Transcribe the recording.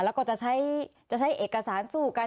แล้วก็จะใช้เอกสารสู้กัน